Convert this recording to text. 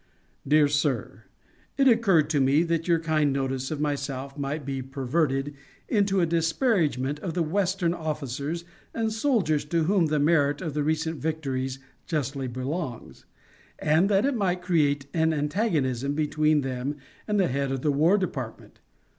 DEAR SIR: It occurred to me that your kind notice of myself might be perverted into a disparagement of the Western officers and soldiers to whom the merit of the recent victories justly belongs, and that it might create an antagonism between them and the head of the War Department.